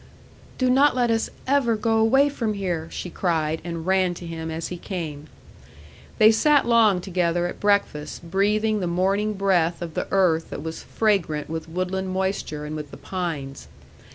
"Do not let us ever go away from here!" she cried, and ran to him as he came. They sat long together at breakfast, breathing the morning breath of the earth that was fragrant with woodland moisture and with the pines.